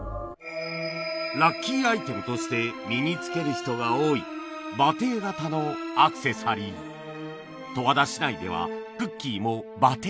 ラッキーアイテムとして身に着ける人が多い馬てい型の十和田市内ではクッキーも馬てい型